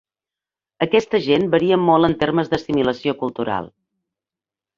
Aquesta gent varia molt en termes d'assimilació cultural.